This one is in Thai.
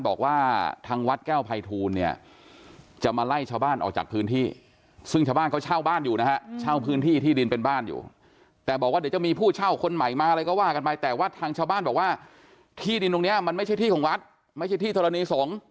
บอกว่าที่ดินตรงเนี้ยมันไม่ใช่ที่ของวัดไม่ใช่ที่ธรณีสงฆ์